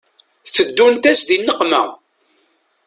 Teddunt-as di nneqma